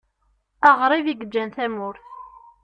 Aɣrib i yeǧǧan tamurt.